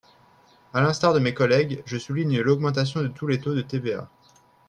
À l’instar de mes collègues, je souligne l’augmentation de tous les taux de TVA.